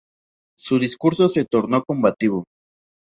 Su discurso se tornó combativo.